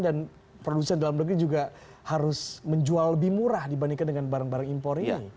dan produsen dalam negeri juga harus menjual lebih murah dibandingkan dengan barang barang impor ini